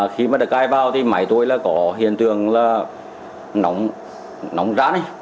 khi mà đã cai vào thì máy tôi là có hiện tượng là nóng rát ấy